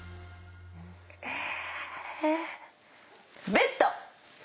ベッド！